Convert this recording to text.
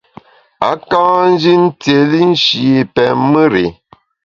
A ka nji ntiéli nshi pèn mùr i.